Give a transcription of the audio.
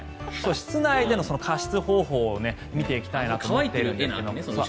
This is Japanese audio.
室内での加湿方法を見ていきたいと思います。